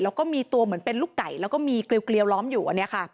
แล้วก็มีตัวเหมือนเป็นลูกไก่แล้วก็มีเกลียวล้อมอยู่อันนี้ค่ะ